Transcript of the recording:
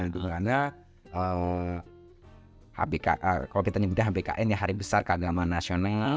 karena kalau kita nyembunyikan hbkn ya hari besar keagamaan nasional